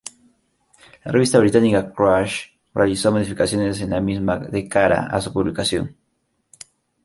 La revista británica "Crash" realizó modificaciones en la misma de cara a su publicación.